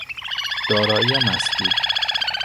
دارایی مسدود